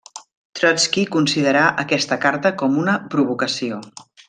Trotski considerà aquesta carta com una provocació.